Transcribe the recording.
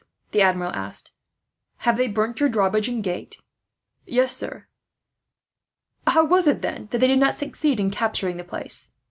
the Admiral asked. "Have they burnt your drawbridge and gate?" "Yes, sir." "How was it, then, they did not succeed in capturing the place?